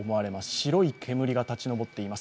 白い煙が立ち上っています。